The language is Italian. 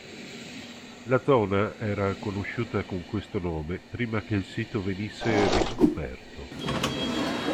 La zona era conosciuta con questo nome prima che il sito venisse riscoperto.